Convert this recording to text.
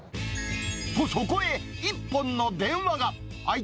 と、そこへ、一本の電話が。